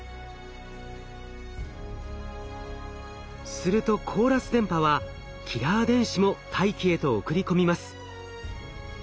するとコーラス電波はキラー電子も大気へと送り込みます。